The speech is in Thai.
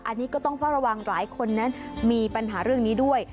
อันนี้ก็ต้องเฝ้าระวังหลายคนนั้นมีปัญหาเรื่องนี้ด้วย